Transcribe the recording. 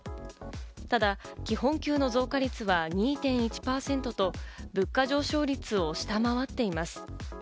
ただ基本給の増加率は２．１％と、物価上昇率を下回っています。